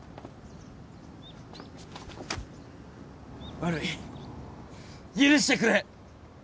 悪い許してくれ！